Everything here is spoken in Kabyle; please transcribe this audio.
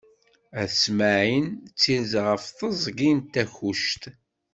At Smaεel, Ttirza ɣer teẓgi n Takkuct.